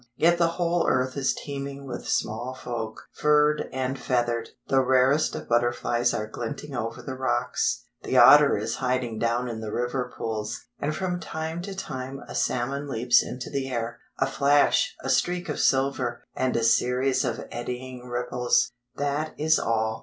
Yet the whole earth is teeming with small folk, furred and feathered; the rarest of butterflies are glinting over the rocks; the otter is hiding down in the river pools; and from time to time a salmon leaps into the air, a flash, a streak of silver, and a series of eddying ripples—that is all.